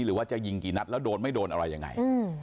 หรือว่าจะยิงกี่นัดแล้วโดนไม่โดนอะไรยังไง